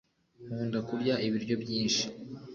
Nkunda kurya ibiryo byinshi